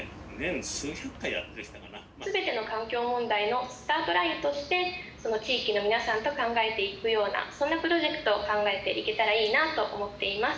全ての環境問題のスタートラインとして地域の皆さんと考えていくようなそんなプロジェクトを考えていけたらいいなと思っています。